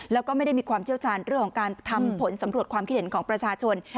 แล้วก็ไม่ได้มีความเชี่ยวชาญเรื่องของการทำผลสำรวจความคิดเห็นของประชาชน